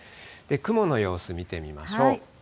雲の様子見てみましょう。